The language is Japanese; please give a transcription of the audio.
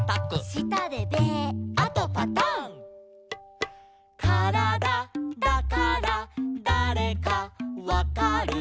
「したでベー」「あとパタン」「からだだからだれかわかる」